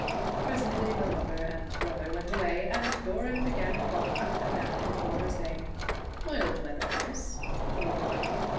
Pre sently the lover and brother went away, and Doran began to walk up and down before her, saying, ' Mild weather, Miss/ or the like.